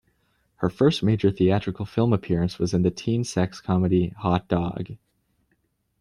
Her first major theatrical film appearance was in the teen sex comedy Hot Dog...